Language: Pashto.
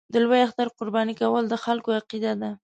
د لوی اختر قرباني کول د خلکو عقیده ده.